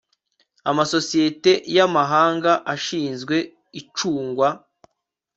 amasosiyete y amahanga ashinzwe icungwa